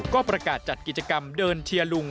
ก็ประกาศจัดกิจกรรมเดินเชียร์ลุง